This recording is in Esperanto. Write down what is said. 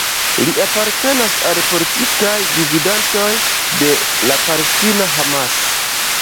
Li apartenas al politikaj gvidantoj de la palestina Hamas.